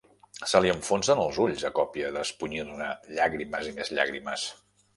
Se li enfonsen els ulls a còpia d'espunyir-ne llàgrimes i més llàgrimes.